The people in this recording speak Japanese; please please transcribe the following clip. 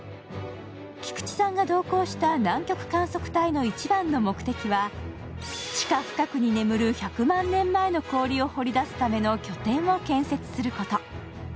菊池さんが同行した南極観測隊の一番の目的は、地下深くに眠る１００万年前の掘り出すための拠点を建設すること。